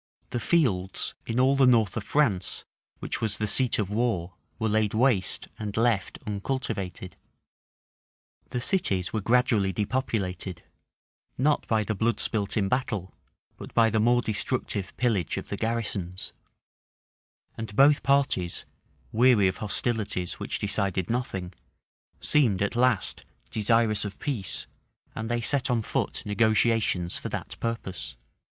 The fields in all the north of France, which was the seat of war, were laid waste and left uncultivated.[*] * Grafton, p 562. {1440.} The cities were gradually depopulated, not by the blood spilt in battle, but by the more destructive pillage of the garrisons;[*] and both parties, weary of hostilities which decided nothing, seemed at last desirous of peace, and they set on foot negotiations for that purpose.